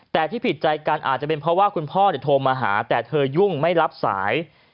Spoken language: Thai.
แต่ที่ผิดใจกันอาจจะเป็นเพราะว่าคุณพ่อโทรมาหาแต่เธอยุ่งไม่รับสาย